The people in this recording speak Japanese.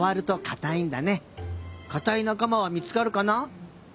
かたいなかまはみつかるかな？